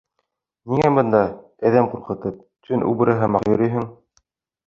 — Ниңә бында, әҙәм ҡурҡытып, төн убыры һымаҡ йөрөйһөң?